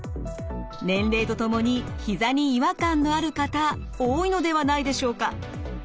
年齢とともにひざに違和感のある方多いのではないでしょうか。